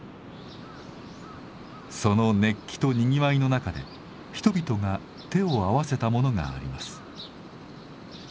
その熱気とにぎわいの中で人々が手を合わせたものがあります。